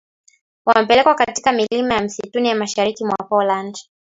wamepelekwa katika milima ya msituni ya mashariki mwa Poland